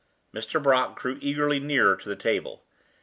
Mr. Brock drew eagerly nearer to the table.